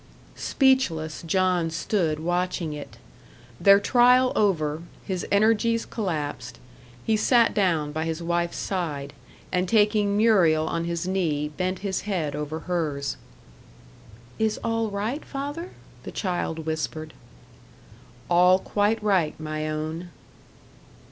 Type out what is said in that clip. Speechless, John stood watching it. Their trial over, his energies collapsed; he sat down by his wife's side, and taking Muriel on his knee, bent his head over hers. "Is all right, father?" the child whispered. "All quite right, my own."